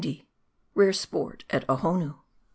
RARE SPORT AT OHONOO.